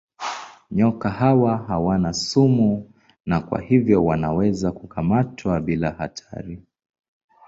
Nyoka hawa hawana sumu na kwa hivyo wanaweza kukamatwa bila hatari.